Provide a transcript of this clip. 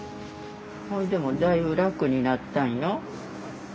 それでもだいぶ楽になったんよ。